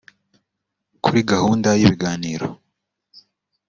Kuri gahunda y’ibiganiro